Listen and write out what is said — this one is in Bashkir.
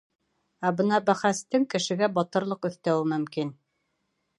Ә бына бәхәстең кешегә батырлыҡ өҫтәүе мөмкин.